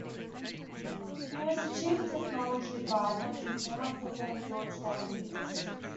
He was the chief technology advisor to former President George W. Bush.